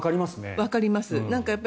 わかります。